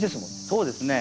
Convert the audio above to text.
そうですね。